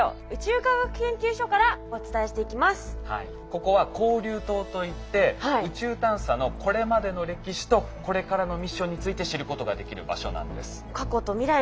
ここは交流棟といって宇宙探査のこれまでの歴史とこれからのミッションについて知ることができる場所なんです。